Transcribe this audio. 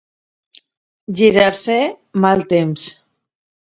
Girar-se mal temps.